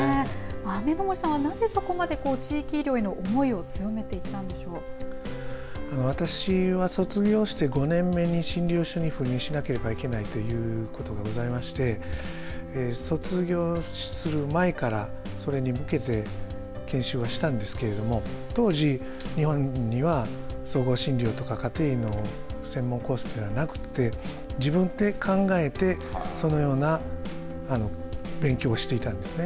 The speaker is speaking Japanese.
雨森さんは、なぜそこまで地域医療に思いを私は卒業して５年目に診療所に赴任しなければいけないということがございまして卒業する前からそれに向けて研修はしたんですけれども当時、日本には総合診療とか家庭医の専門コースというのはなくて自分で考えて、そのような勉強をしていたんですね。